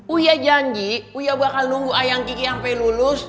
uya janji uya bakal nunggu ayang kiki sampe lulus